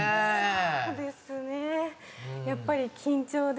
そうですねやっぱり緊張で。